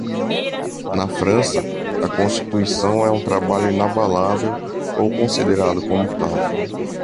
Na França, a constituição é um trabalho inabalável ou considerado como tal.